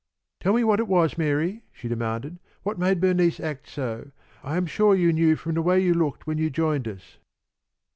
"Tell me what it was, Mary," she demanded. "What made Bernice act so? I was sure you knew from the way you looked when you joined us."